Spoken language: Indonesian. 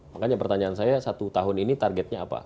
makanya pertanyaan saya satu tahun ini targetnya apa